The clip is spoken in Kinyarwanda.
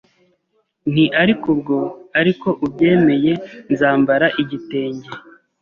nti ariko ubwo ariko ubyemeye nzambara igitenge,